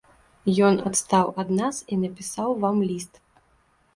Ён адстаў ад нас і напісаў вам ліст.